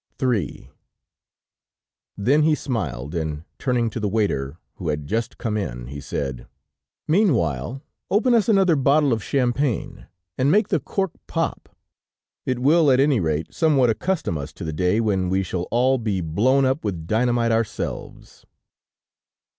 III Then he smiled, and turning to the waiter who had just come in, he said: "Meanwhile, open us another bottle of champagne, and make the cork pop! It will, at any rate, somewhat accustom us to the day when we shall all be blown up with dynamite ourselves."